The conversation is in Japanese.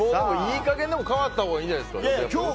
いい加減、代わったほうがいいんじゃないですか。